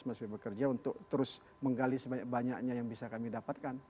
masih bekerja untuk terus menggali sebanyak banyaknya yang bisa kami dapatkan